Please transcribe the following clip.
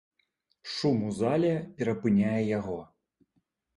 Шум у зале перапыняе яго.